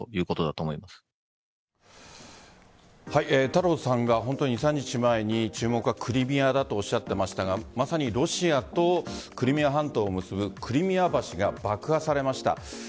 太郎さんが本当に２３日前に注目はクリミアだとおっしゃっていましたがまさにロシアとクリミア半島を結ぶクリミア橋が爆破されました。